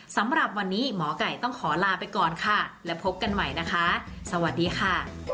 สำหรับวันนี้หมอไก่ต้องขอลาไปก่อนค่ะและพบกันใหม่นะคะสวัสดีค่ะ